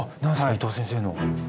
伊藤先生の。